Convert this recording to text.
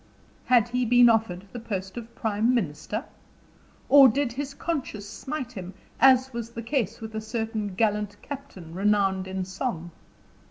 Had he been offered the post of prime minister? Or did his conscience smite him, as was the case with a certain gallant captain renowned in song?